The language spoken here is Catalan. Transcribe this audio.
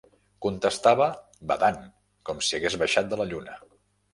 Contestava badant com si hagués baixat de la lluna